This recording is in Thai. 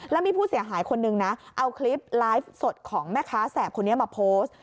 แล้วมีผู้เสียหายคนนึงนะเอาคลิปไลฟ์สดของแม่ค้าแสบคนนี้มาโพสต์